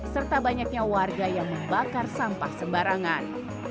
serta banyaknya warga yang membakar sampah sembarangan